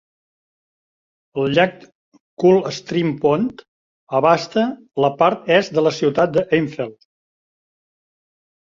El llac Cold Stream Pond abasta la part est de la ciutat d'Enfield.